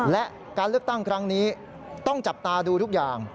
และการเลือกตั้งครั้งนี้ต้องจับตาดูทุกอย่าง